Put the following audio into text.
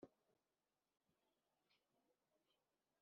Ni cyo gituma, Nyagasani adukunda cyane